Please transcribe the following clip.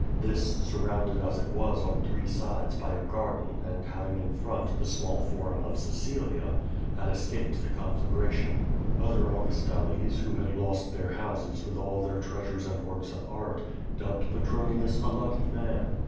This, surrounded as it was on three sides by a garden and having in front the small forum of Cecilia, had escaped the confla^tion. Other Augustales, who had lost their houses with all their treasures and works of art, dubbed Petronius a lucky man.